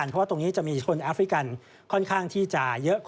เพราะว่าตรงนี้จะมีชนแอฟริกันค่อนข้างที่จะเยอะ